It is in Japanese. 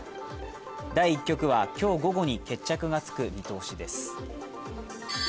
第１局はきょう午後に決着がつく見通しです